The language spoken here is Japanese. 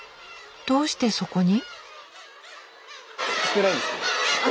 どうしてそこに？